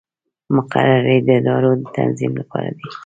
مقررې د ادارو د تنظیم لپاره دي